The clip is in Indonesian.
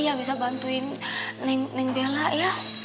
yang bisa bantuin neng bella ya